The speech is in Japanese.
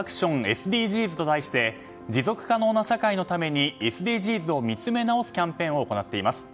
ＳＤＧｓと題して持続可能な社会のためにＳＤＧｓを見つめなおすキャンペーンを行っています。